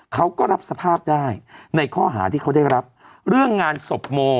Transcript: เขาก็รับสภาพได้ในข้อหาที่เขาได้รับเรื่องงานศพโม